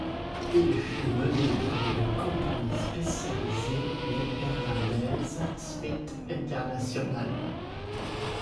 Il fut menée par une compagnie spécialisée néerlandaise, Smit International.